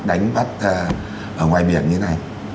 ở ngoài biển như thế này